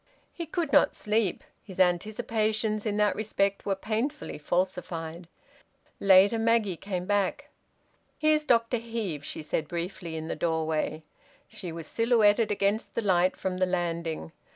He could not sleep. His anticipations in that respect were painfully falsified. Later, Maggie came back. "Here's Dr Heve," she said briefly, in the doorway. She was silhouetted against the light from the landing.